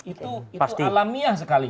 itu alamiah sekali